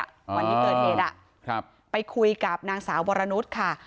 ไปตามหาผู้ตายอ่ะวันนี้เกิดเหตุอ่ะครับไปคุยกับนางสาวบรรณุษย์ค่ะ